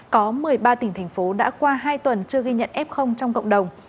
có một mươi ba tỉnh thành phố đã qua hai tuần chưa ghi nhận f trong cộng đồng